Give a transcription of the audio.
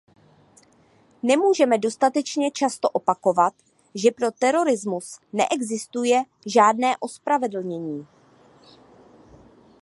Nemůžeme dostatečně často opakovat, že pro terorismus neexistuje žádné ospravedlnění.